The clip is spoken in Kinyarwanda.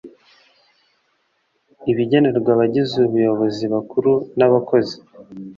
ibigenerwa abagize ubuyobozi bukuru n’abakozi